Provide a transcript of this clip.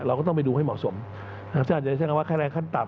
เราก็ต้องไปดูให้เหมาะสมท่านอาจจะใช้คำว่าค่าแรงขั้นต่ำ